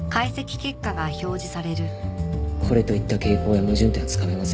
これといった傾向や矛盾点はつかめませんでした。